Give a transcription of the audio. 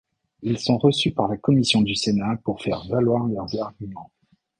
Ils sont reçus par la commission du Sénat pour faire valoir leurs arguments.